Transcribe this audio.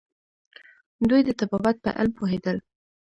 دوی د طبابت په علم پوهیدل